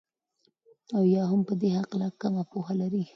او يا هم په دي هكله كمه پوهه لري